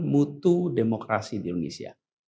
mutu demokrasi di indonesia